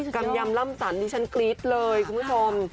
กำยำล่ำสันดิฉันกรี๊ดเลยคุณผู้ชม